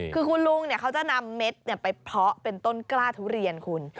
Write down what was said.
คือคุณลุงเขาจะนำเม็ดไปเพาะเป็นต้นกล้าทุเรียนคุณ